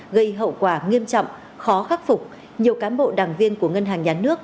gây hậu quả nghiêm trọng khó khắc phục nhiều cán bộ đảng viên của ngân hàng nhà nước